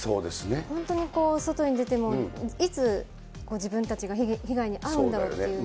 本当に外に出てもいつ、自分たちが被害に遭うんだろうっていう。